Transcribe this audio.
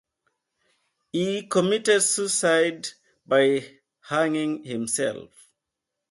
He committed suicide by hanging himself.